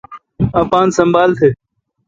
اپان سنبھال تھ۔